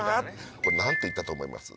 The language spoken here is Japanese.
これなんて言ったと思います？